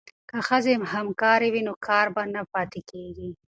که ښځې همکارې وي نو کار به نه پاتې کیږي.